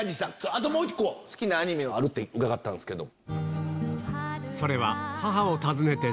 あともう１個好きなアニメがあるって伺ったんですけど。